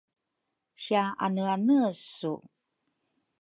Sia aneane su?